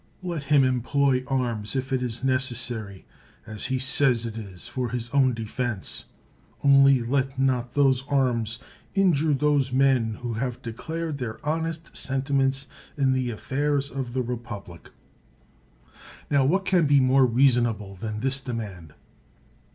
Let him employ arms, if it is necessary, as he says it is, for his own defense ; only let not those arms injure those men who have declared their honest sentiments in the affairs of the republic. Now, what can be more reasonable than this de mand?